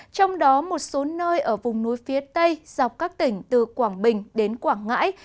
trong đó một số nơi ở vùng núi phía tây dọc các tỉnh từ quảng bình đến quảng ngãi